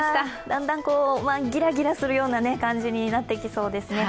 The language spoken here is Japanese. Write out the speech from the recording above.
だんだんギラギラするような感じになってきそうですね。